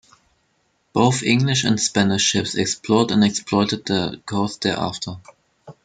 Both English and Spanish ships explored and exploited the coast thereafter.